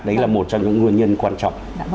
đấy là một trong những nguyên nhân quan trọng